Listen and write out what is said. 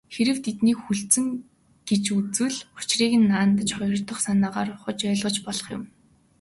Хэрэв тэднийг хүлцсэн гэж үзвэл, учрыг наанадаж доорх хоёр санаагаар ухаж ойлгож болох юм.